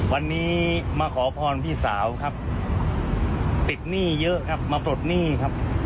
วันนี้มาขอพรพี่สาวครับติดหนี้เยอะครับมาปลดหนี้ครับ